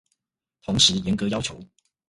同時嚴格要求